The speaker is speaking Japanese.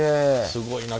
すごいな。